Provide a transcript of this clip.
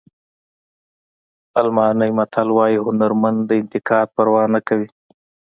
الماني متل وایي هنرمند د انتقاد پروا نه کوي.